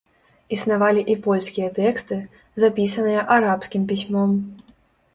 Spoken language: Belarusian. Існавалі і польскія тэксты, запісаныя арабскім пісьмом.